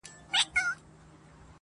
o توري دي لالا وهي، مزې دي عبدالله کوي٫